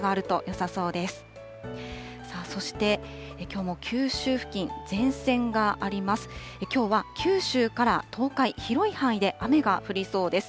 さあ、そしてきょうも九州付近、前線があります。